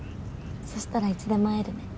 そしたらいつでも会えるね。